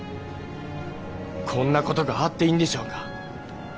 こんな事があっていいんでしょうか？